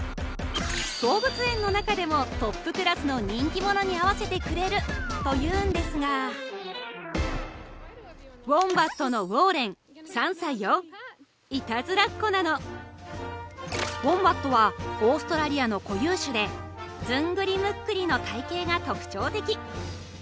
動物園の中でもトップクラスの人気者に会わせてくれるというんですがウォンバットのウォーレン３歳よいたずらっ子なのウォンバットはオーストラリアの固有種でずんぐりむっくりの体型が特徴的